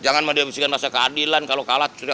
jangan melepaskan keputusan yang diperlukan oleh kesehatan